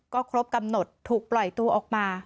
ก็ครบกำหนดถูกปล่อยตัวออกมา